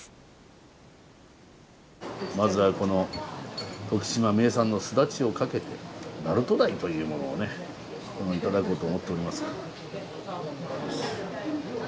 まずはこの徳島名産のすだちをかけて鳴門ダイというものをね頂こうと思っております。